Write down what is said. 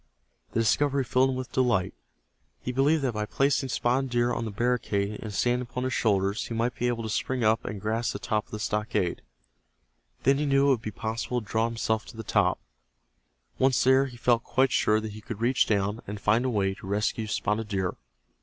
The discovery filled him with delight. He believed that by placing Spotted Deer on the barricade and standing upon his shoulders he might be able to spring up and grasp the top of the stockade. Then he knew it would be possible to draw himself to the top. Once there he felt quite sure that he could reach down, and find a way to rescue Spotted Deer.